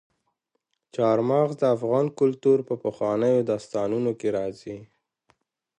چار مغز د افغان کلتور په پخوانیو داستانونو کې راځي.